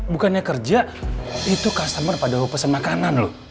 bukannya kerja itu customer padahal pesen makanan lo